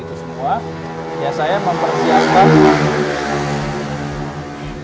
itu semua ya saya mempersiapkan